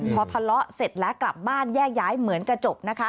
พอทะเลาะเสร็จแล้วกลับบ้านแยกย้ายเหมือนจะจบนะคะ